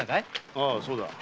ああそうだ。